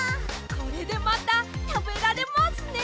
これでまたたべられますね！